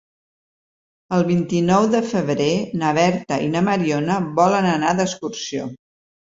El vint-i-nou de febrer na Berta i na Mariona volen anar d'excursió.